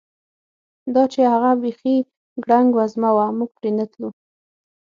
دا چې هغه بیخي ګړنګ وزمه وه، موږ پرې نه تلو.